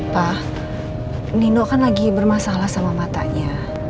pak nino kan lagi bermasalah sama matanya